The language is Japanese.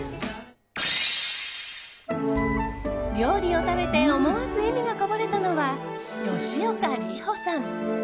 料理を食べて思わず笑みがこぼれたのは吉岡里帆さん。